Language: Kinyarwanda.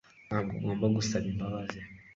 Ntabwo ugomba gusaba imbabazi.